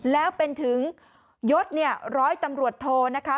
แล้วเป็นถึงยศเนี่ยร้อยตำรวจโทนะคะ